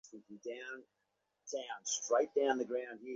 বোধ হয় কথাটার মধ্যে অনেকটা সত্য আছে।